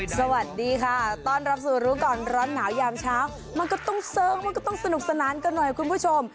สวัสดีค่ะต้อนรับสู่รู้ก่อนร้อนหนาวยามเช้ามันก็ต้องเสิร์งมันก็ต้องสนุกสนานกันหน่อยคุณผู้ชม